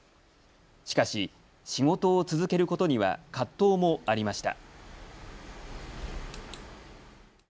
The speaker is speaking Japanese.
しかし、仕事を続けることには葛藤もありました。